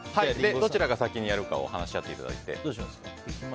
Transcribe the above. どちらが先にやるか話し合っていただいて。